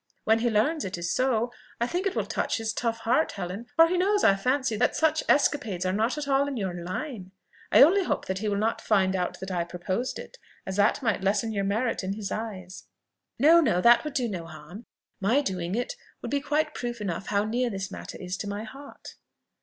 When he learns it is so, I think it will touch his tough heart, Helen, for he knows, I fancy, that such escapades are not at all in your line. I only hope that he will not find out that I proposed it, as that might lessen your merit in his eyes." "No, no, that would do no harm. My doing it would be quite proof enough how near this matter is to my heart."